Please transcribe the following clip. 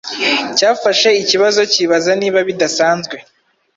cyafashe ikibazo kibaza niba bidasanzwe